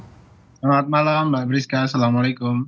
selamat malam mbak priska assalamualaikum